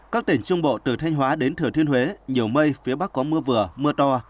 các tỉnh trung bộ từ thanh hóa đến thừa thiên huế nhiều mây phía bắc có mưa vừa mưa to